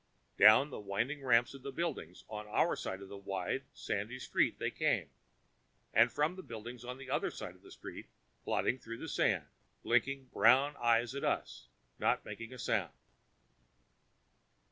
Down the winding ramps of the buildings on our side of the wide, sandy street they came and from the buildings on the other side of the street, plodding through the sand, blinking brown eyes at us, not making a sound.